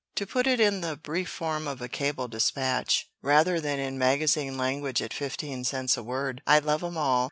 To put it in the brief form of a cable dispatch, rather than in magazine language at fifteen cents a word, I love 'em all!